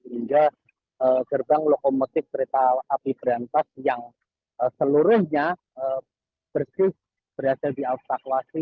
hingga gerbang lokomotif kereta api berantas yang seluruhnya bersih berhasil dievakuasi